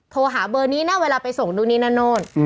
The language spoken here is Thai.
โทรหาเบอร์นี้นะเวลาไปส่งดูนี่นั่นนู่น